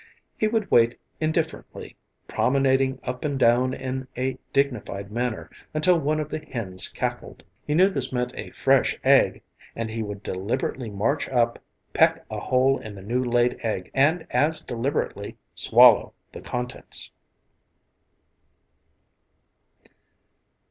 He would wait indifferently, promenading up and down in a dignified manner until one of the hens cackled. He knew this meant a fresh egg and he would deliberately march up, peck a hole in the new laid egg and as deliberately swallow the contents.